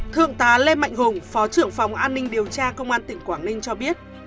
thượng tá lê mạnh hùng phó trưởng phòng an ninh điều tra công an tỉnh quảng ninh cho biết